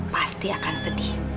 pasti akan sedih